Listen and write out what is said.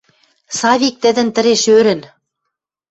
Савик тӹдӹн тӹреш ӧрӹн.